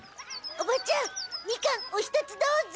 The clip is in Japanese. おばちゃんみかんお一つどうぞ。